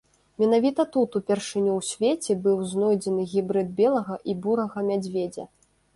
Менавіта тут упершыню ў свеце быў знойдзены гібрыд белага і бурага мядзведзя.